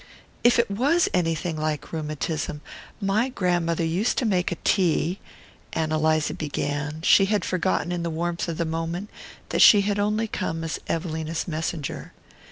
"If it WAS anything like rheumatism, my grandmother used to make a tea " Ann Eliza began: she had forgotten, in the warmth of the moment, that she had only come as Evelina's messenger.